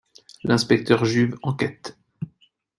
L'inspecteur Juve enquête.